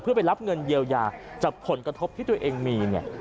เพื่อไปรับเงินเยียวยาจากผลกระทบที่ตัวเองมีเนี่ย